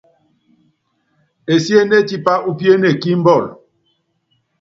Esiéné tipá úpiéne kí mbɔl.